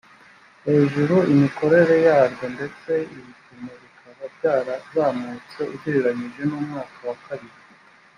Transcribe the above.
hejuru imikorere yarwo ndetse ibipimo bikaba byarazamutse ugereranije n umwaka wa kabiri